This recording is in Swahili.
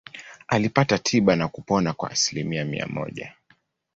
Alipata tiba na kupona kwa asilimia mia moja.